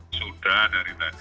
sudah dari tadi